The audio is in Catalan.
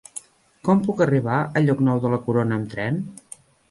Com puc arribar a Llocnou de la Corona amb tren?